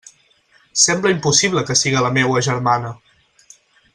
Sembla impossible que siga la meua germana!